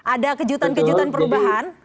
ada kejutan kejutan perubahan